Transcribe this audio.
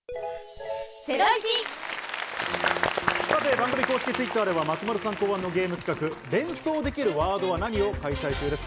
番組公式Ｔｗｉｔｔｅｒでは松丸さん考案のゲーム企画「連想できるワードは何！？」を開催中です。